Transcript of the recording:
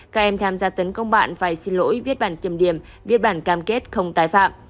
các em tham gia tấn công bạn phải xin lỗi viết bản kiểm điểm viết bản cam kết không tái phạm